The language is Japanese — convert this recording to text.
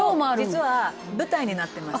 「実は舞台になってます」